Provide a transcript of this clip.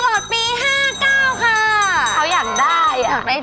เขาอยากได้